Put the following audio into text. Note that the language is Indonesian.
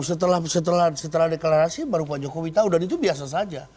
setelah deklarasi baru pak jokowi tahu dan itu biasa saja